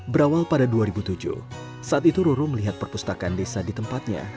berawal pada dua ribu tujuh saat itu roro melihat perpustakaan desa di tempatnya